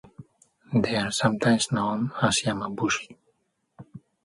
They are sometimes known as "yamabushi".